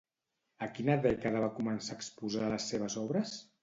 A quina dècada va començar a exposar les seves obres?